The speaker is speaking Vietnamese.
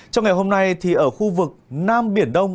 trong ngày hôm nay ở khu vực nam biển đông